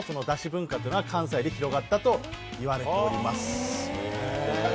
文化というのは関西で広がったと言われております。